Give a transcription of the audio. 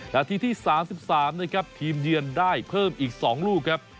นาทีที่๓๓นะครับทีมเยือนได้เพิ่มอีก๒ลูกครับ